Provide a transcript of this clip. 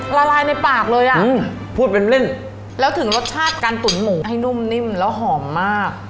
ละลายในปากเลยอ่ะพูดเป็นเล่นแล้วถึงรสชาติการตุ๋นหมูให้นุ่มนิ่มแล้วหอมมาก